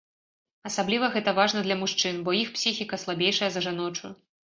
Асабліва гэта важна для мужчын, бо іх псіхіка слабейшая за жаночую.